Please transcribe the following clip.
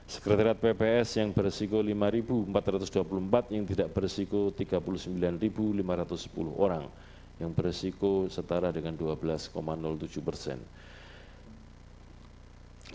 sekretariat pps yang beresiko lima empat ratus dua puluh empat yang tidak beresiko tiga puluh sembilan lima ratus sepuluh orang yang beresiko setara dengan dua belas tujuh persen